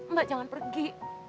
mbak jangan pergi